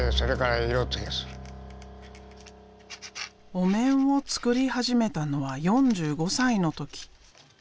お面を作り始めたのは４５歳の時。